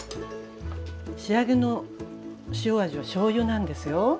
仕上げの塩味はしょうゆなんですよ。